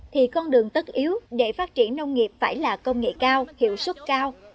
thì con đường tất yếu để phát triển nông nghiệp phải là công nghệ cao hiệu suất cao